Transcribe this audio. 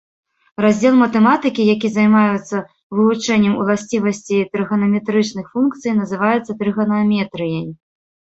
Раздзел матэматыкі, які займаецца вывучэннем уласцівасцей трыганаметрычных функцый, называецца трыганаметрыяй.